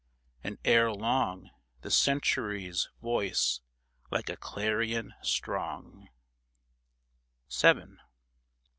And ere long The Century's voice, like a clarion strong, VII.